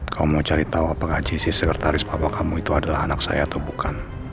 kamu mau cari tahu apakah jisi sekretaris bapak kamu itu adalah anak saya atau bukan